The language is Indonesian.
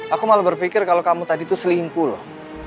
aku malah berpikir kalau kamu tadi itu selingkuh loh